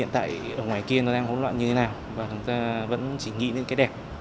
hiện tại ở ngoài kia nó đang hỗn loạn như thế nào và chúng ta vẫn chỉ nghĩ đến cái đẹp